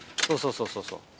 そうそうそうそう。